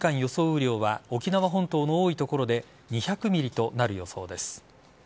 雨量は沖縄本島の多い所で２００ｍｍとなる予想です。